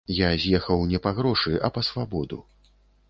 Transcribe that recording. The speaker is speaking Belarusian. Я з'ехаў не па грошы, а па свабоду.